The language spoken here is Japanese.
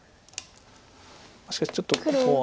しかしちょっとここは。